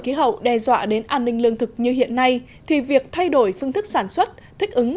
khí hậu đe dọa đến an ninh lương thực như hiện nay thì việc thay đổi phương thức sản xuất thích ứng